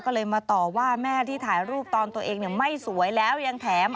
ก็เลยมาต่อว่าแม่ที่ถ่ายรูปตอนตัวเองไม่สวยแล้วยังแถม